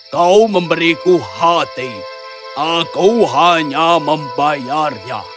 kau memberiku hati aku hanya membayarnya